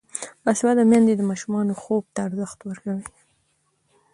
باسواده میندې د ماشومانو خوب ته ارزښت ورکوي.